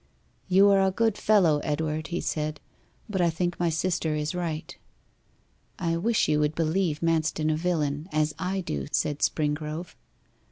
'You are a good fellow, Edward,' he said; 'but I think my sister is right.' 'I wish you would believe Manston a villain, as I do,' said Springrove.